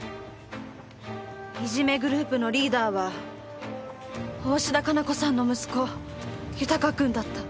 いじめグループのリーダーは大信田加奈子さんの息子豊君だった。